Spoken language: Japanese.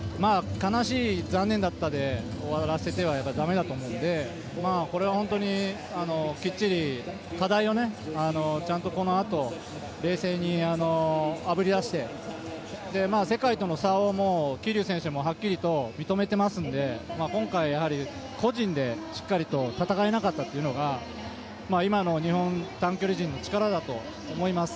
悲しい、残念だったで終わらせてはだめだと思うのでこれは、きっちり課題を、ちゃんとこのあと冷静にあぶりだして世界との差を桐生選手もはっきりと認めていますので今回個人でしっかりと戦えなかったというのが今の日本短距離陣の力だと思います。